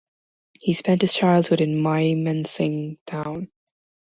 He spent his childhood in Mymensingh town.